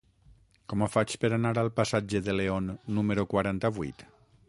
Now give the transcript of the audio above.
Com ho faig per anar al passatge de León número quaranta-vuit?